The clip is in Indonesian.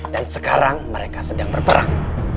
dan sekarang mereka sedang berperang